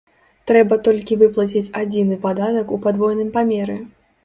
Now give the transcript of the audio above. Трэба толькі выплаціць адзіны падатак у падвойным памеры.